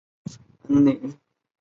也被称为射击者部队。